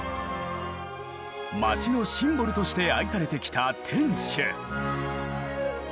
街のシンボルとして愛されてきた天守。